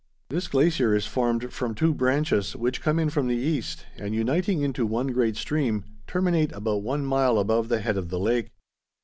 This glacier is formed from two branches, which come in from the east, and uniting into one great stream, terminate about one mile above the head of the lake.